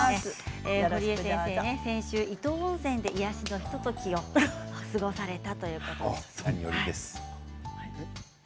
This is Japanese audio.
先週、伊東温泉で癒やしのひとときを過ごされたということです。